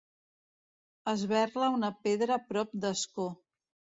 Esberla una pedra prop d'Ascó.